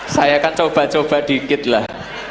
saya akan coba coba dikit lah